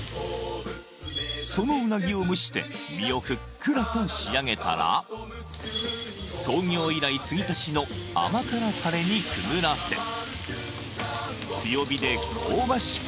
そのうなぎを蒸して身をふっくらと仕上げたら創業以来継ぎ足しの甘辛タレにくぐらせ強火で香ばしく